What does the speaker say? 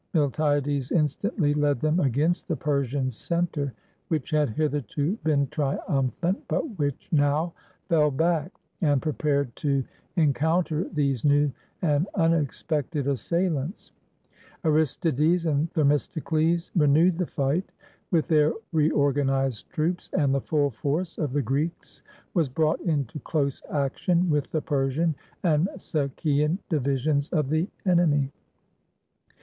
Miltiades instantly led them against the Persian center, which had hitherto been triumphant, but which now fell back, and 8S GREECE prepared to encounter these new and unexpected as sailants. Aristides and Themistocles renewed the fight with their reorganized troops, and the full force of the Greeks was brought into close action with the Persian and Sacian divisions of the enemy.